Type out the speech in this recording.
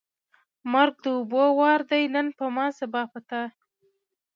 مرګ د اوبو وار دی نن په ما ، سبا په تا.